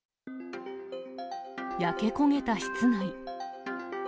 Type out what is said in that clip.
焼け焦げた室内。